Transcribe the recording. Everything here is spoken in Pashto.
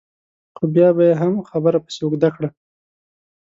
خو بیا به یې هم خبره پسې اوږده کړه.